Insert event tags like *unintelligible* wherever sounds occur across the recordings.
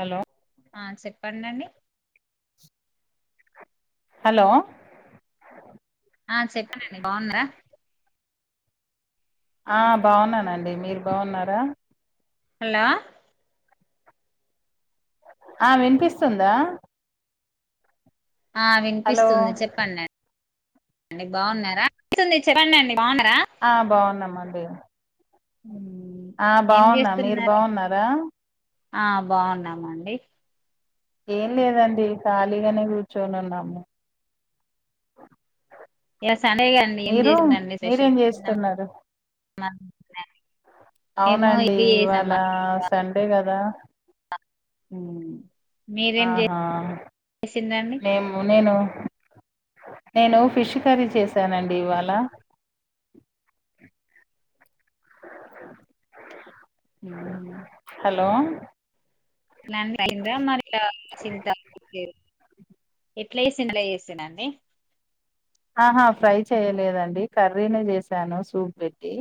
Hello ఆ చెప్పండండి hello ఆ చెప్పనండి బావున్నార ఆ బావున్నానండి మీరు బావున్నారా హలో ఆ వినిపిస్తుందా ఆ హలో వినిపిస్తుంది చెప్పండి అండి బాగున్నారా చెప్పండి బాగున్నారా ఆ బావున్నామండి మ్మ్. ఆ ఏం బావున్నా మీరు చేస్తున్నారు బావున్నారా ఆ బావున్నామండి ఏం లేదండి ఖాళీగానే కూర్చొని ఉన్నాము ఈయల సండే కదండి ఏం మీరు చేసిందండి స్పెషల్ మీరేం చేస్తున్నారు *unintelligible* మేము అవునండి ఇది ఇవాళ చేసినామండి సండే గదా ఊ ఆహా చేసిండ్రండి నేము నేను నేను ఫిష్ కర్రీ చేశానండి ఇవాళ ఊహు హలో *unintelligible* ఎట్ల *unintelligible* అండి ఆహా ఫ్రై చేయలేదండి కర్రీనే చేసాను సూప్ పెట్టి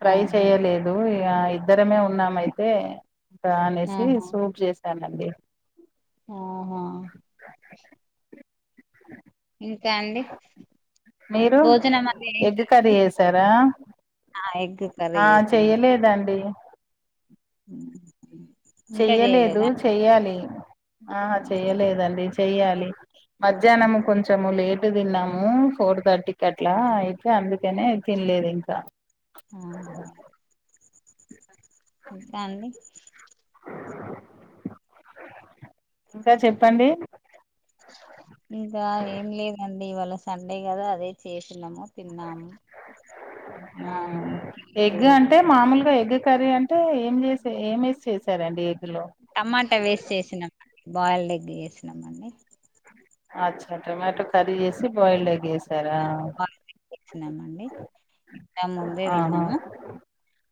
ఫ్రై ఆహా చేయలేదు ఇగ ఇద్దరమే ఉన్నామయితే ఇక అనేసి ఆహా సూప్ చేసి స్తా నండి ఆహా ఇంకా అండి మీరు భోజనం అది ఎగ్ కర్రీ ఏంటండి చేసారా ఆ ఎగ్ కర్రీ ఆ చేసిన్నాను చెయ్యలేదండి చెయ్యలేదు చెయ్యాలి ఆ చెయ్యలేదండి చెయ్యాలి మధ్యాహ్నము కొంచము లేట్ టు తిన్నాము ఫోర్ థర్టీకి అట్లా అయితే అందుకనే తినలేదు ఇంకా అహ ఇంకా అండి ఇంకా చెప్పండి ఇంకా ఏం లేదండి ఇవాళ సండే కదా అదే చేసినము తిన్నాము అ నాది ఎగ్ అంటే మామూలుగా ఎగ్ కర్రీ అంటే ఏం చేసి ఏమేసి చేసారండి ఎగ్ లో టమాటా వేస్ చేసినాం బాయిల్డ్ ఎగ్ చేసినామండి అచ్చా టమాటో కర్రీ చేసి బయిల్డ్ ఎగ్ చేసారా వచ్చినామండి ఇంకా ముందే ఆహా తిన్నాము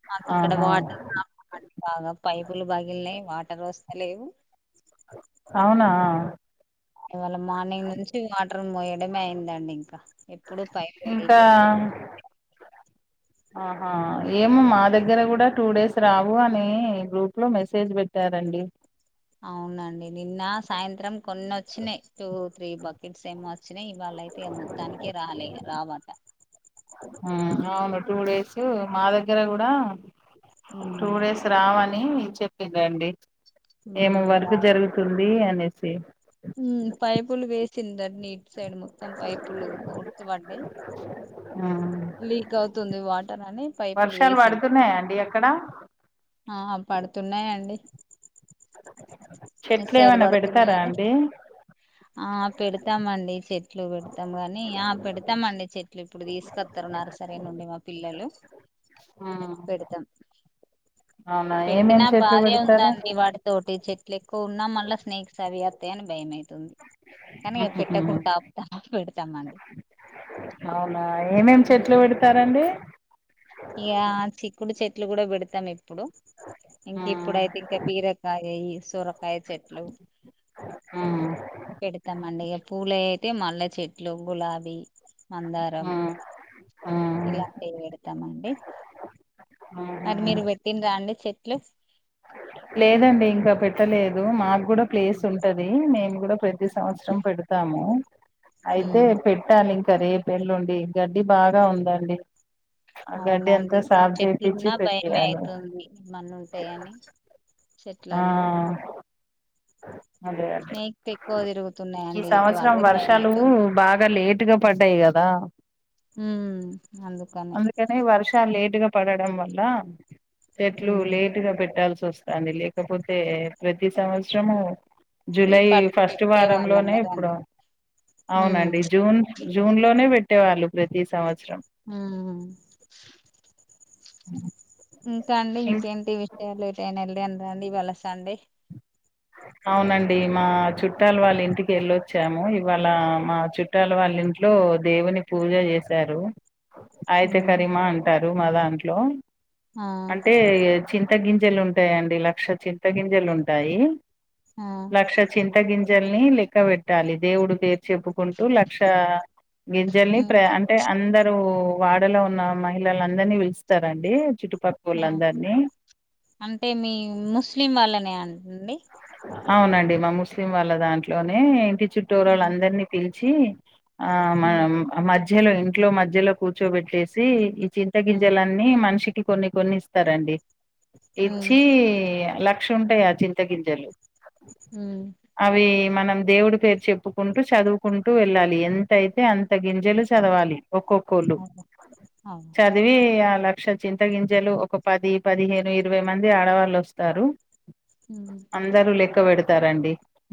మాకు ఇక్కడ ఆహా వాటర్ ప్రాబ్లమ్ అండి బాగా పైపులు పగిల్నాయి వాటర్ వస్తలేవు అవునా ఇవాళ మార్నింగ్ నుంచి వాటర్ మోయడమే అయిందండి ఇంకా ఎప్పుడు పైపులు ఇంకా లీకేజ్ ఆహా ఏమో మా దగ్గర కూడా టూ డేస్ రావు అని గ్రూప్ లో మెసేజ్ పెట్ పెట్టారండి అవునండి నిన్న సాయంత్రం కొన్ని వచ్చినాయి టు త్రీ బకెట్స్ ఏమో వచ్చినా ఇవాళ్ళయితే మొత్తానికే రాలే రావట హ్మ్ అవును టూ డేస్ మా దగ్గర కూడా టూ ఉమ్, డేస్ రావని చెప్పిందండి ఉమ్, ఏమో ఇగ వర్కు జరుగుతుంది అనేసి హ్మ్ పైపులు వేసింది అన్ని ఇట్ సైడ్ మొత్తం పైపులు ఉడతాబడ్డాయి మ్మ్ అవుతుంది వాటర్ అని పైపులు వర్షాలు వేసింది పడుతున్నాయాండి అక్కడ ఆ పడుతున్నాయండి ఇటు చెట్లు సైడ్ ఏమైనా పెడతారా పడుతున్నాయని అండి ఆ పెడతామండి చెట్లు పెడతాం గాని ఆ పెడతామండి చెట్లు ఇప్పుడు తీసుకొ తరున్నారు సరే నుండి మా పిల్లలు హ్మ్ పెడతాం పెట్టినా చెట్లు బాధే పెడతారు ఉందండి వాడి తోటి చెట్లు ఎక్కువ ఉన్నాం మళ్ల స్నేక్స్ అవి వస్తాయి అని భయమైతుంది కాని పెట్టకుండా ఆపుతామా పెడతామ అండి అవునా ఏమేమి చెట్లు ఉమ్. పెడతారండి ఇక చిక్కుడు చెట్లు కూడా పెడతాం ఇప్పు ఇప్పుడు ఇంక ఉమ్ ఇప్పుడైతే ఇంకా బీరకాయ సొర కై చెట్లు ఉమ్ పెడతామండి ఇక పూల అయితే మల్లె చెట్లు గులాబీ మందారం ఆ ఆ ఇలాంటివి పెడతామండి ఆహా మరి మీరు పెట్టిన రా అండి చెట్లు లేదండి ఇంకా పెట్టలేదు మాకు కూడా ప్లేస్ ఉంటది నేను కూడా ప్రతి సంవత్సరం పెడతాము అయితే ఉమ్ పెట్టాలి ఇంకా రేప్ఎల్లుండి గడ్డి బాగా ఉందండి ఆ గడ్డి అవునండి అంతా ఇప్పుడు సాఫ్ చేపిచ్చి చెట్లున్నా భయమే పెట్టేయాలి అవుతుంది మనం ఉంటయని ఆ చెట్లల్లో అదే అదే నెక్స్ట్ ఎక్కువ ఈ తిరుగుతున్నాయండి ఇటు సంవత్సరం అదే వర్షాలు భయమైతుంది బాగా లే ట్టుక పడ్డాయి కదా హ్మ్ అందుకని అని వర్ష లేటుగా పడడం వల్ల చెట్లు ఉమ్ లేటుగా పెట్టాల్సి వస్త ది లేకపోతే ప్రతి సంవత్సరము ఈ జులై పట్టుకు ఫస్ట్ పెట్టే వాళ్ళం వారంలోనే ఇప్పుడు కదండి ఉమ్ అవునండి జూన్ జూన్ లోనే పెట్టేవాళ్ళు ప్రతి సంవత్సరం హ్మ్ అ ఇంకా అండి ఇంకేంటి విషయాలు ఎటైనా వెళ్లిండ్రా ఇవాళ సండే అవునండి మా చుట్టాలు వాళ్ళ ఇంటికి వెళ్ళొచ్చాము ఇవాళ మా చు ట్టాల వాళ్ళ ఇంట్లో దేవుని పూజ చేశారు అయితే ఉమ్ కరీమా అంటారు మా దాంట్లో ఆ అంటే చింత గింజలు ఉంటాయంండి లక్ష చింత గింజలు ఉంటాయి ఆ లక్ష చింత గింజల్ని లెక్క పెట్టాలి దేవుడు పేరు చెప్పుకుంటూ లక్ష ఆ గింజల్ని ఉమ్ ప్రయ అంటే అందరు వాడలో ఉన్న మహిళలు అందరినీ పిలుస్తారండి చుట్టుపక్క అంటే మీ ముస్లిం వాళ్ళనే అండి అవునండి మా ముస్లిం వాళ్ళ దాంట్లోనే ఇంటి చుట్టూరా వొళ్ళ ఉమ్ అందరినీ పిలిచి ఆ ఉమ్ మధ్యలో ఇంట్లో మధ్యలో కూర్చోబెట్టేసి ఈ చింత ఉమ్ గింజల న్నీ మనిషికి కొన్ని కొన్ని ఇస్తారండి ఉమ్ ఇచ్చి లక్ష ఉంటాయా చిం త గింజలు హ్మ్ అవి మనం దేవుడి పేరు చెప్పుకుంటూ చదువుకుంటూ వెళ్ళాలి ఎంతయితే అంత గింజలు చదవాలి ఒక్కొక్కళ్ళు అవును అవును చ దివి ఆ లక్ష చింత గింజలు ఒక పది పదిహేను ఇరవై మంది ఆడవాళ్ళు వస్తారు ఉ అందరు లెక్క పెడతారంండి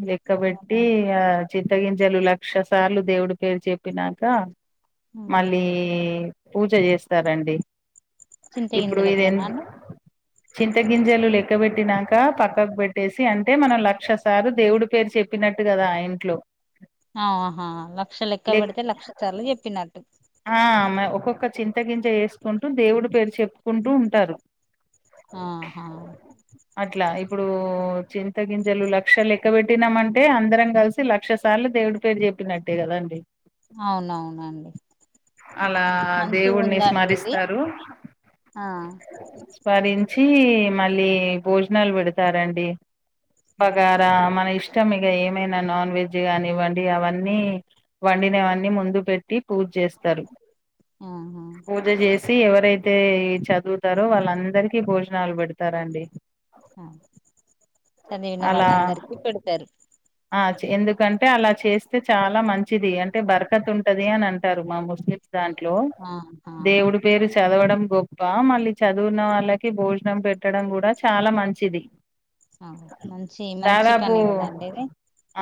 లెక్క పెట్టి అవునండి ఆ చింతగింజలు లక్ష సార్లు దేవుడి పేరు చెప్పినాక ఉమ్ మళ్ళీ పూజ చేస్తారండి చింత ఇప్పుడు ఇది ఎన్ గింజలకేనా అండి చింత గింజలు లెక్కబెట్టినాక పక్కకు పెట్టేసి అంటే మనం లక్ష సారు దేవుడి పేరు చెప్పినట్టు కదా ఆ ఇంట్లో ఆహా లక్ష లెక్క లెక్ పెడితే లక్ష సార్లు చెప్పినట్టు ఆ ఒక్కొక్క చింత గింజ వేసుకుంటూ దేవుడి పేరు చెప్పుకుంటూ ఉంటారు ఆహా అట్లా ఇప్పుడు చింత గింజలు లక్షలు లెక్క పెట్టినామంటే అందరం కలిసి లక్ష సార్లు దేవుడి పేరు చెప్పినట్టే కదాండి అవునవునండి అలా దేవుడిని మంచిగుందండి ఇది స్మరిస్తారు ఆ స్మరించి మళ్ళీ భోజనాలు పెడతారండి బగార్ ఇ మన ఇష్టం ఇక ఏమైనా నాన్ వెజ్ కానివ్వండి అవన్నీ వండినవన్నీ ముందు పెట్టి పూజ చేస్తారు ఆహా పూజ చేసి ఎవరైతే చదువుతారో వాళ్ళందరికి భోజనాలు పెడతారండి ఆ చదివిన అలా వాళ్ళందరికి పెడతారు ఆ చే ఎందుకంటే అలా చేస్తే చాలా మంచి చిది అంటే బర్కత్ ఉంటది అని అంటారు మా ముస్లిమ్స్ దాంట్లో ఆహా దేవుడు పేరు చదవడం గొప్ప మళ్ళీ చదువున్న వాళ్ళకి భోజనం పెట్టడం కూడా చాలా మంచిది అగొ మంచి మంచి పని దాదాపు కదాండి ఇది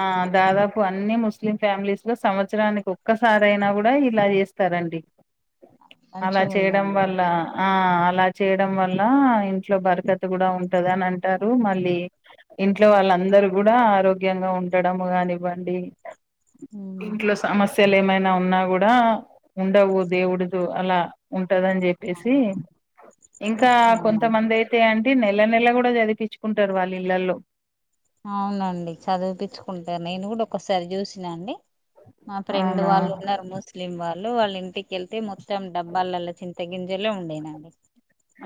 ఆ దాదాపు అన్ని ముస్లిం ఫ్యామిలీస్ లో సంవత్సరానికి ఒక్కసారి అయినా కూడా ఇలా చేస్తారండి అలా చేయడం మంచిగుందండి ఇది వల్ల ఆ అలా చేయడం వల్ల ఇంట్లో బరకత్ కూడా ఉంటది అని అంటారు మళ్ళీ ఇంట్లో వాళ్ళందరు కూడా ఆరోగ్యంగా ఉండడము కానివ్వండి ఇంట్లో స్ సమస్యలు ఏమైనా ఉన్నా కూడా ఉండవు దేవుడి అలా ఉంటదని చెప్పి చెప్పేసి ఇంకా అవునా కొంతమంది అయితే అండి నెల నెల కూడా చదిపించుకుంటారు వాళ్ళు ఇళ్లలో అవునండి చదివిపించుకుంట నేను కూడా ఒకసారి చూసినా అండి మా ఫ్రెండ్ అవునా వాళ్ళు ఉన్నారు మోస్ లిం వాళు వాళ్ళ ఇంటికిళ్తే మొత్తం డబ్బాలల చింత గింజలే ఉండేనండి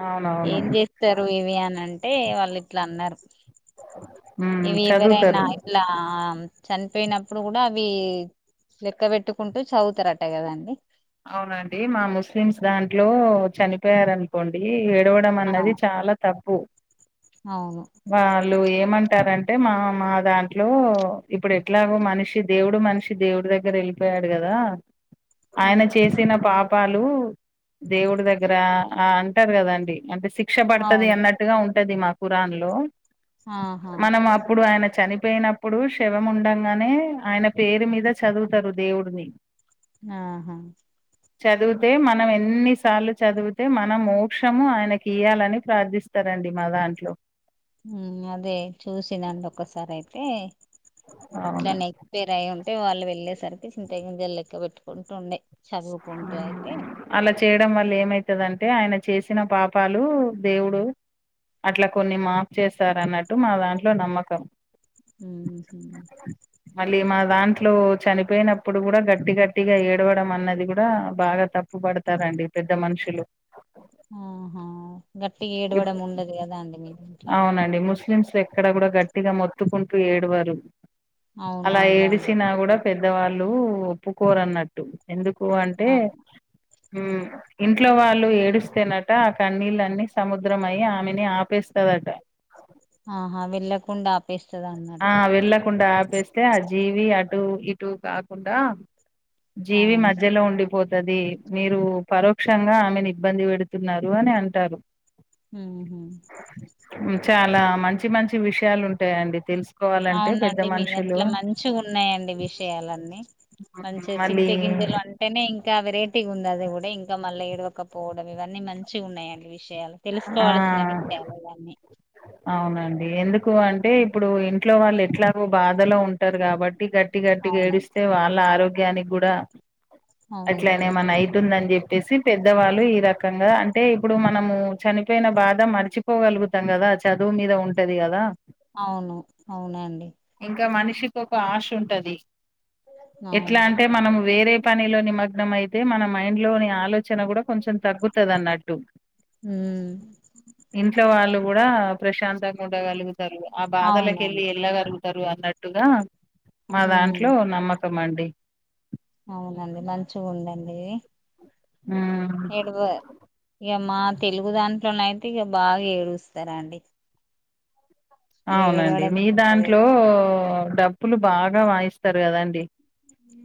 అవునవును ఏం చేస్తారు ఇవి అనంటే వాళ్ళు ఇట్లా అన్నారు హ్మ్ ఇవి ఎవరైనా చదువుతారు ఇట్లా చనిపోయినప్పుడు కూడా అవి లెక్క పెట్టుకుంటూ చదువుతారట కదండి అవునండి మా ముస్లిమ్స్ దాంట్లో చనిపోయారన్ కోండి ఏడవడం ఆ అన్నది చాలా తప్పు అవును వాళ్ళు ఏమంటారంటే మా మా దాంట్లో ఇప్పుడు ఎట్లాగో మనిషి దేవుడు మనిషి దేవుడి దగ్గర వెళ్ళిపోయాడు కదా ఆయన ఉమ్, చేసిన పాపాలు దేవుడి దగ్గర ఆ అంటారు కదండి అంటే సిక్ క్ష పడుతుంది అవును అన్నట్టుగా ఉంటది మా కురాన్ లో ఆహా మనం అప్పుడు ఆయన చని పోయినప్పుడు శవం ఉండగానే ఆయన పేరు మీద చదువుతారు దేవుడిని ఆహా చదివితే మనం ఎన్నిసార్లు చదివితే మనం మోక్షము ఆయనకి ఇయాలని ప్రార్థిస్త ఇస్తారండి మా దాంట్లో ఊ అదే చూసినండి ఒకసారి అయితే అవును ఇట్లానే పేరు అయి ఉంటే వాళ్ళు వెళ్ళేసరికి చింత గింజల్ లెక్క పెట్టుకుంటూ ఉండే చదువుక్ అలా చేయడం వల్ల ఏమైతదంటే ఆయన చేసిన పాపాలు దేవుడు అట్లా కొన్ని మాఫ్ చేస్తారు అన్నట్టు మా దాంట్లో నమ్మకం ఊహు మళ్ళీ మా దాంట్లో చనిపోయినప్పుడు కూడా గట్టి గట్టిగా ఏడవడం అన్నది కూడా ఆ బాగా తప్పు పడతారండి పెద్ద మనుషులు ఆహా గట్టిగా ఏడవడం ఉండదు కదా అండి మీ దంట్ల అవునండి ముస్లిమ్స్ ఎక్కడ కూడా గట్టిగా మొత్తుకుంటూ ఏడవారు అలా అవునవును అండి ఏడిసిన కూడా చూసిన పెద్ద ద్దవాళ్ళు ఒప్పుకోరన్నట్టు ఎందుకు అంటే ఆ, ఊ ఇంట్లో వాళ్ళు ఏడుస్తేనట ఆ కన్నీళ్లన్నీ సముద్రం అయి ఆమెని ఆపేస్తదట ఆహా వెళ్లకుండా ఆప్ ఆ వెళ్ళకుండా ఆపేస్తే ఆ జీవి అటు ఇటు కాకుండా జీవి అవును మధ్యలో ఉండిపోత్ అది మీరు పరోక్షంగా ఆమెను ఇబ్బంది పెడుతున్నారు అని అంటారు ఉంహుం చాలా మంచి మంచి విషయాలు ఉంటాయండి తెలుస్ అవునండి మీది ఇంట్ల మంచి ఉన్నయండి విషయాలన్నీ మంచిగ చింత మళ్ళీ గిందిలో అంటేనే ఇంకా వెరైటీగా ఉందది కూడా ఇంకా మళ్ళీ ఏడవకపోవడం ఇవన్నీ మంచిగ ఉన్నాయండి విష్ యాలు ఆ తెలుసుకోవాల్సిన విషయాలే అన్ని అవునండి ఎందుకు అంటే ఇప్పుడు ఇంట్లో వాళ్ళు ఎట్లా బాధలో ఉంటారు కాబట్టి గట్టి గట్టిగా అవునండి ఏడిస్తే వాళ్ళ ఆరోగ్యానికి కూడా అట్లనే అవునండి ఏమన్న అయితుందని చెప్పేసి పెద్దవాళ్ళు ఈ రకంగా అంటే ఇప్పుడు మనము చనిపోయిన బాధ మర్చిపోగలుగుతాం కదా చదువు మీద ఉంటది కదా అవును అవునండి ఇంకా మనిషికి ఒక ఆశ ఉంటది ఎట్లా అవును అంటే మనం వేరే పనిలో నిమగ్నం అయితే మన మైండ్లోని ఆలోచన కూడ కొంచెం తగ్గుతది అన్నట్టు ఉమ్ ఇంట్లో వాళ్ళు కూడా ప్రశాంతంగ ఉండగలుగుతరు ఆ బాధలకెళ్ళి అవునండి ఎళ్ళగలుగు తరు అన్నట్టుగా మా ఉమ్ దాంట్లో నమ్మకం అండి అవునండి మంచిగ ఉందండి ఉమ్ ఇది ఏడువ ఇగ మా తెలుగు దాంట్లోనయితే ఇగ బాగ ఏడుస్తరండి అవునండి ఏడవడమే మీ ఉంటది దాంట్లో ఎక్కువ డబ్బులు బాగా వాయిస్తరు కదండి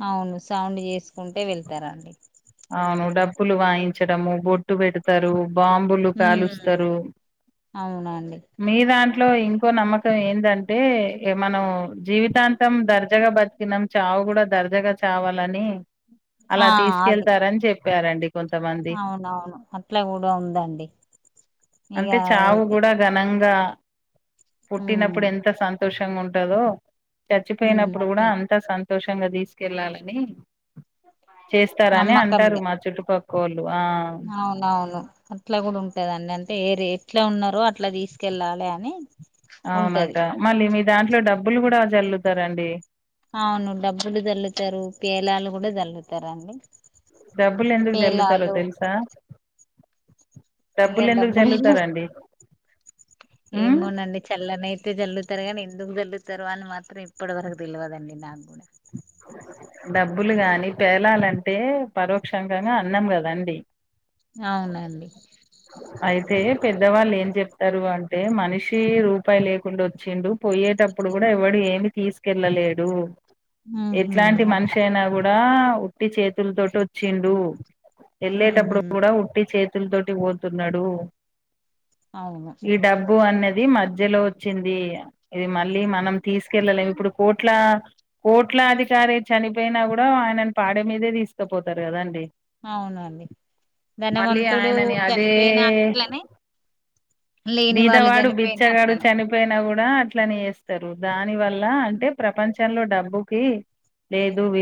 అవును సౌండ్ చేస్కుంటే వెళ్తరండి అవును డబ్బులు వాయించడము బొట్టు పెడుతరు బాం బులు హ్మ్ కాలుస్తరు అవునండి మీ దాంట్లో ఇంకో నమ్మకం ఏందంటే మనం జీవితాంతం దర్జగా బ తికినం చావు కూడ దర్జగా చావాలని ఆ అలా అది తీస్కెళ్తారని చెప్పారండి కొంతమంది అవునవును అట్ల కూడా ఉందండి అంటే ఇగా చావు కూడా ఘనంగా హ్మ్ పుట్టినప్పుడు ఎంత సంతోషంగ ఉంటదో హ్మ్ చచ్చిపోయినప్పుడు కూడా అట్లా అంతా సంతోషంగా తీసుకెళ్ళాలని చేస్ తరని నమ్మకం అంటరు ఇగ మా చుట్టుపక్కొల్లు ఆ అవునవును అట్ల కూడ ఉంటదండి అంటే ఏ ర ఎట్ల ఉన్నరో అట్ల తీస్కెళ్ళాలే అని ఉంటది అవునట మళ్ళీ మీ దాంట్లో డబ్బులు కూడా చల్లుతారండి అవును డబ్బులు చల్లుతారు పేలాలు కూడ చల్లుతరు అండి డబ్బులు ఎందుకు జల్లుతరో తెలుసా ఇగ డబ్బులు ఎందుకు డబ్బులు చల్లుతారండి ఏమోనండి చల్లనైతే చల్లు తరు గాని ఎందుకు చల్లుతరో అని మాత్రం ఇప్పటి వరకు తెలువదండి నాకు కూడా డబ్బులు గాని పేలాలంటే పరోక్షంగా అన్నం కదండి అవునండి అయితే పెద్దవాళ్ళు ఏం చెప్తారు అంటే మనిషి రూపాయి లేకుండా ఒచ్చిండు పోయేటప్పుడు కూడ ఎవ్వడు ఏమి తీసుకెళ్ళలేడు ఊహూ ఎట్లాంటి మనిషి అట్లా అయినా కూడా ఉట్టి చేతుల్తోటి ఒచ్చిండు ఎళ్ళేటప్పుడు ఊహూ కూడా ఉట్టి చేతుల్తోటి పోతున్నడు అవును ఈ డబ్బు అన్నది మధ్యలో ఒచ్చింది ఇది మళ్ళీ మనం తీసుకెళ్ళలేము ఇప్పుడు కోట్ల కోట్ల అధికారి చనిపోయినా కూడా ఆయనను పాడే మీదే తీసుకపోతారు కదాండి అవునండి ధనవంతుడు ఆయనని అదే చనిపోయిన అట్లనే లేని వాళ్ళు చనిపోయిన అట్లనే పోయినా కూడా అట్లనే చేస్తారు దాని వల్ల అంటే ప్రపంచంలో డబ్బు కి లేదు విలు